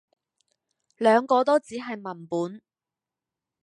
兩個都只係文本